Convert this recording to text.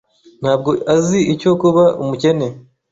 Ntabwo azi icyo kuba umukene.